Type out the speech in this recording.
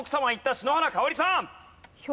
篠原かをりさん！